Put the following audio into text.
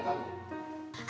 ingat direktur mau tidur